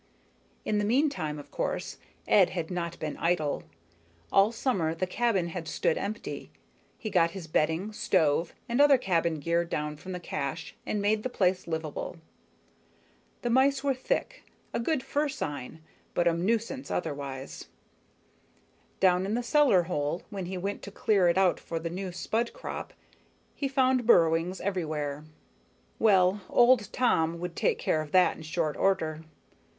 In the meantime, of course, Ed had not been idle. All summer the cabin had stood empty. He got his bedding, stove, and other cabin gear down from the cache and made the place livable. The mice were thick, a good fur sign, but a nuisance otherwise. Down in the cellar hole, when he went to clear it out for the new spud crop, he found burrowings everywhere. Well, old Tom would take care of that in short order.